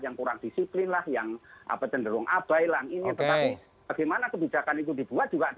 yang kurang disiplin lah yang cenderung abai lah